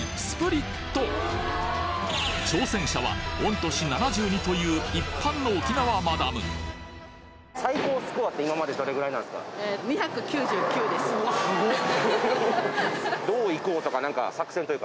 挑戦者は御年７２という一般の沖縄マダムおぉすごっ！